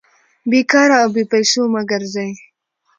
بې کاره او بې پېسو مه ګرځئ!